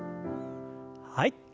はい。